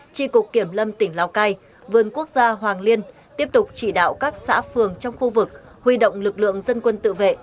tri cục kiểm lâm tỉnh lào cai vườn quốc gia hoàng liên tiếp tục chỉ đạo các xã phường trong khu vực huy động lực lượng dân quân tự vệ